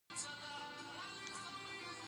خزان لوټلی کور د بلبلو